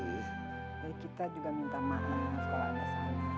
ya kita juga minta maaf kalau ada sana